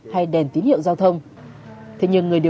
hay đèn tín hiệu giao thông